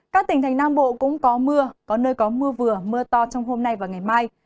các tỉnh thành nam bộ cũng có mưa có nơi có mưa vừa mưa to trong hôm nay và ngày mai